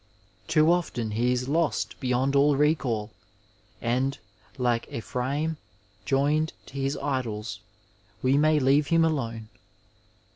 Too often he is lost beyond all recall, a^nd, like Ephraim joined to his idols, we may leave him alone.